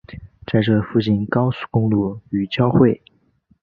在这附近高速公路与交汇。